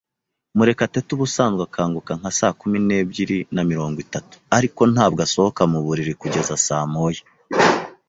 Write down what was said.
Murekatete ubusanzwe akanguka nka saa kumi n'ebyiri na mirongo itatu, ariko ntabwo asohoka muburiri kugeza saa moya.